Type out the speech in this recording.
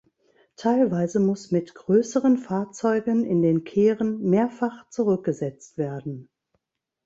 Teilweise muss mit größeren Fahrzeugen in den Kehren mehrfach zurückgesetzt werden.